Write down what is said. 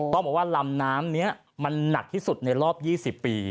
ต้องบอกว่าลำน้ำนี้มันหนักที่สุดในรอบ๒๐ปี